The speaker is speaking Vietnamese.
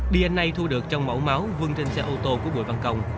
dna thu được trong mẫu máu vương trên xe ô tô của bùi văn công